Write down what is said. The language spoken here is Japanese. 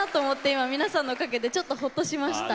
今、皆さんのおかげでちょっとほっとしました。